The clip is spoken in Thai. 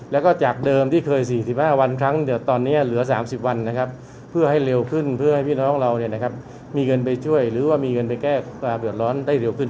แล้วก็จากเดิมที่เคย๔๕วันครั้งตอนนี้เหลือ๓๐วันนะครับเพื่อให้เร็วขึ้นเพื่อให้พี่น้องเรามีเงินไปช่วยหรือว่ามีเงินไปแก้ความเดือดร้อนได้เร็วขึ้น